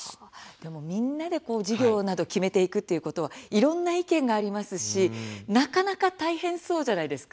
でも、みんなで事業などを決めていくということはいろんな意見もありますしなかなか大変そうじゃないですか。